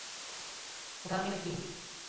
ওটা আমি নাকি?